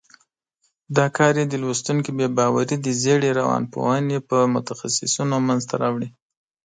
دا کار یې د لوستونکي بې باوري د زېړې روانپوهنې په متخصیصینو منځته راوړي.